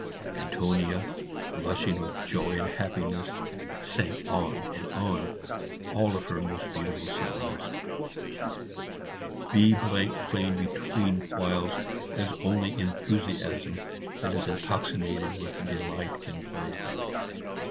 Antonia, blushing with joy and happiness, sang on and on all her most beautiful songs, B playing between whiles as only enthusiasm that is intoxicated with delight can play.